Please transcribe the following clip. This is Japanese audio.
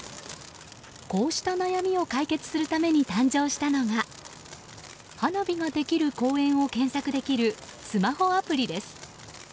こうした悩みを解決するために誕生したのが花火ができる公園を検索できるスマホアプリです。